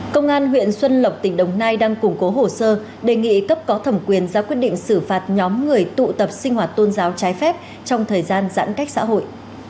công an huyện xuân lộc tỉnh đồng nai đang củng cố hồ sơ đề nghị cấp có thẩm quyền ra quyết định xử phạt nhóm người tụ tập sinh hoạt tôn giáo trái phép trong thời gian giãn cách xã hội